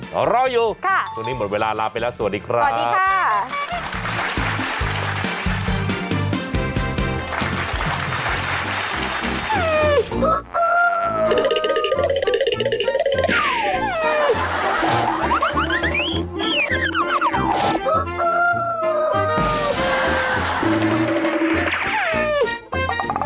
ก็รออยู่ช่วงนี้หมดเวลาลาไปแล้วสวัสดีครับสวัสดีค่ะ